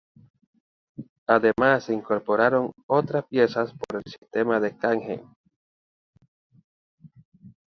Además, se incorporaron otras piezas por el sistema de canje.